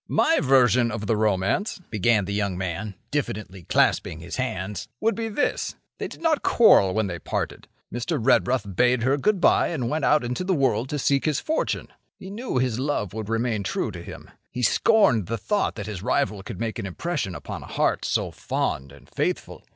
"My version of the romance," began the young man, diffidently clasping his hands, "would be this: They did not quarrel when they parted. Mr. Redruth bade her good by and went out into the world to seek his fortune. He knew his love would remain true to him. He scorned the thought that his rival could make an impression upon a heart so fond and faithful.